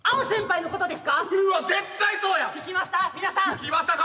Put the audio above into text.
聞きましたか？